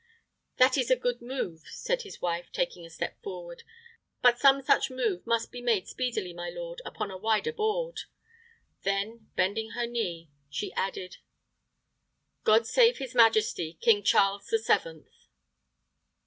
"That is a good move," said his wife, taking a step forward; "but some such move must be made speedily, my lord, upon a wider board." Then, bending her knee, she added, "God save his majesty, King Charles the Seventh!"